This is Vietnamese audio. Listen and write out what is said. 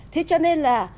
thế cho nên là